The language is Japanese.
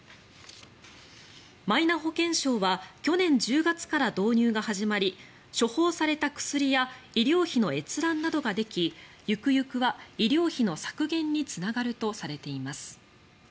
マイナ保険証は去年１０月から導入が始まり処方された薬や医療費の閲覧などができゆくゆくは医療費の削減につながるとされています。